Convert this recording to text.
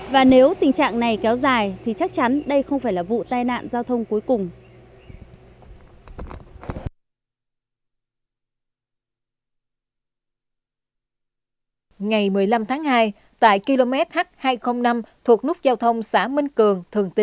và nếu tình trạng này kéo dài thì chắc chắn đây không phải là vụ tai nạn giao thông cuối cùng